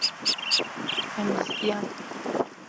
Em bizdiyan.